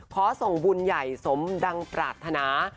ขอส่งบุญใหญ่สมดังปรารถนา